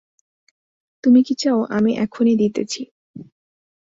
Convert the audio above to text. তুমি কী চাও আমি এখনই দিতেছি।